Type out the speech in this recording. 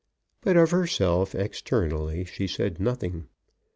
But of herself, externally, she said nothing.